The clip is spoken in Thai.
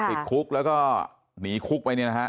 ติดคุกแล้วก็หนีคุกไปเนี่ยนะฮะ